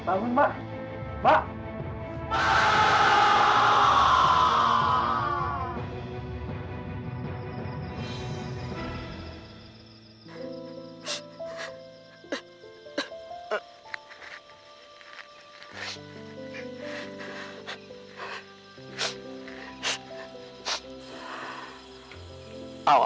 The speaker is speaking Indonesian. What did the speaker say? apapun yang terjadi